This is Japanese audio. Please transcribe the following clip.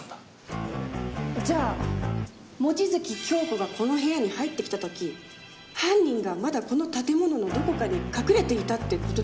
じゃあ望月京子がこの部屋に入ってきた時犯人がまだこの建物のどこかに隠れていたって事ですか？